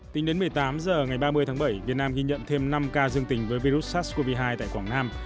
tính đến một mươi tám h ngày ba mươi tháng bảy việt nam ghi nhận thêm năm ca dương tính với virus sars cov hai tại quảng nam